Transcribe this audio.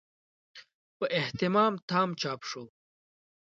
په اهتمام تام چاپ شو.